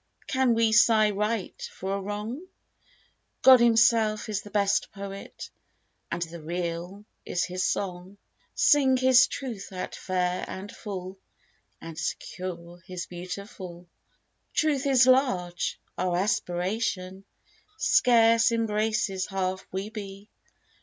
Can we sigh right for a wrong ? God Himself is the best Poet, And the Real is His song. Sing His Truth out fair and full, And secure His beautiful. Truth is large. Our aspiration Scarce embraces half we be.